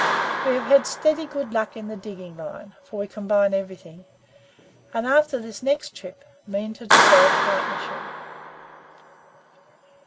We have had steady good luck in the digging line (for we combine everything), and after this next trip, mean to dissolve partnership.